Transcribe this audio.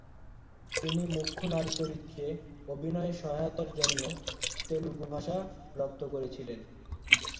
তিনি মুখ্য নারী চরিত্রে অভিনয়ে সহায়তার জন্য তেলুগু ভাষা রপ্ত করেছিলেন।